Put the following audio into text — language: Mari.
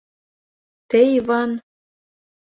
— Те Иван...